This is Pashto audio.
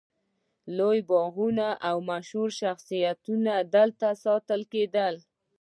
لوی باغیان او مشهور شخصیتونه دلته ساتل کېدل.